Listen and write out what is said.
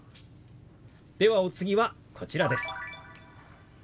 ではお次はこちらです。